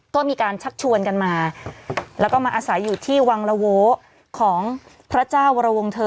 ก็มีการชักชวนกันมาแล้วก็มาอาศัยอยู่ที่วังละโวของพระเจ้าวรวงเธอ